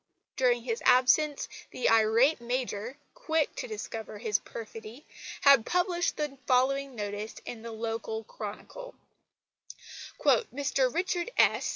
During his absence the irate Major, quick to discover his perfidy, had published the following notice in the local Chronicle: "Mr Richard S.